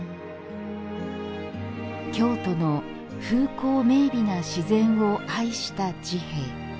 京都の風光明美な自然を愛した治兵衛。